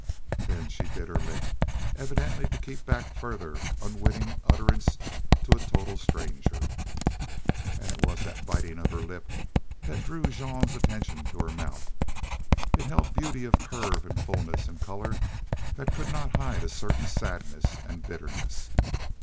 Then she bit her lip, evidently to keep back further unwitting utterance to a total stranger. And it was that biting of her lip that drew Jean's attention to her mouth. It held beauty of curve and fullness and color that could not hide a certain sadness and bitterness.